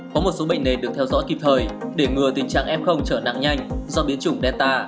có một số bệnh nền được theo dõi kịp thời để ngừa tình trạng f trở nặng nhanh do biến chủng delta